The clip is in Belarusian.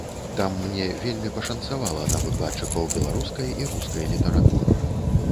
Там мне вельмі пашанцавала на выкладчыкаў беларускай і рускай літаратур.